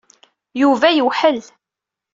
Yuba yewḥel.